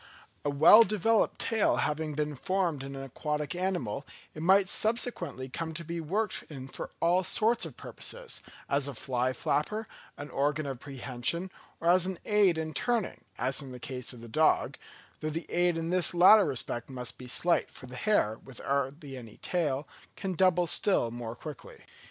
A well developed tail having been formed in an aquatic animal, it might subsequently come to be worked in for all sorts of purposes, as a fly flapper, an organ of prehension, or as an aid in turning, as in the case of the dog, though the aid in this latter respect must be slight, for the hare, with hardly any tail, can double still more quickly.